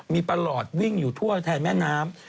มีปรอลอศตรายตัวแขนแม้น้ำ